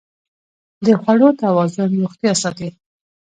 د خوړو توازن روغتیا ساتي.